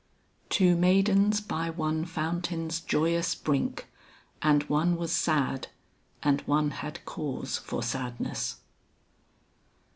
"Two maidens by one fountain's joyous brink, And one was sad and one had cause for sadness."